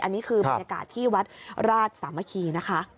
อันนี้คือบรรยากาศที่วัดราชสามัคคีนะคะ